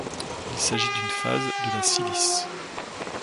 Il s'agit d'une phase de la silice.